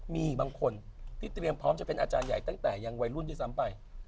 มีบางคนที่เปลี่ยนพร้อมจะเป็นอาจารย์ใหญ่ตั้งแต่วัยรุ่นที่สำไป